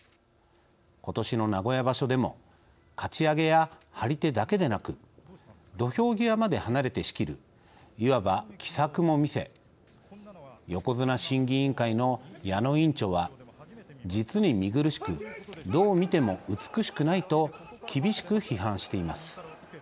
ことしの名古屋場所でもかち上げや張り手だけでなく土俵際まで離れて仕切るいわば奇策もみせ横綱審議委員会の矢野委員長は「実に見苦しくどう見ても美しくない」と厳しく批判しています。